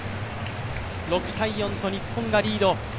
６−４と日本がリード。